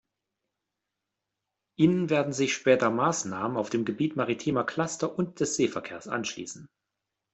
Ihnen werden sich später Maßnahmen auf dem Gebiet maritimer Cluster und des Seeverkehrs anschließen.